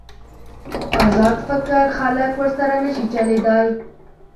ازاد فکر خلک ورسره نشي چلېدای.